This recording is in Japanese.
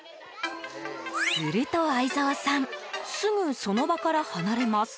すると相澤さんすぐその場から離れます。